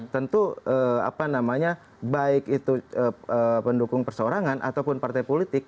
tentu apa namanya baik itu pendukung perseorangan ataupun partai politik